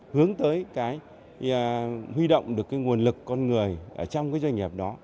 hướng tới cái huy động được cái nguồn lực con người ở trong cái doanh nghiệp đó